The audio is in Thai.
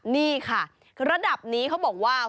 นี่ค่ะระดับนี้เขาบอกว่า